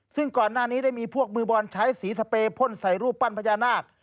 ซึ่งก่อนหน้านี้ได้มีพวกมือบอลใช้สีสเปรพ่นใส่รูปปั้นพญานาค